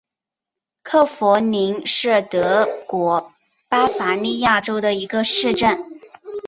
克弗灵是德国巴伐利亚州的一个市镇。